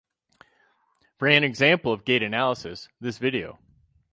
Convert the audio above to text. For an example of gait analysis, this video.